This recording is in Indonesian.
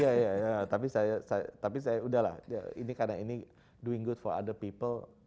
iya iya iya tapi saya udah lah ini karena ini doing good for other people